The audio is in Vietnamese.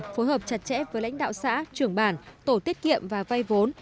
phối hợp chặt chẽ với lãnh đạo xã trưởng bản tổ tiết kiệm và vay vốn